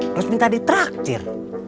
terus minta ditrakir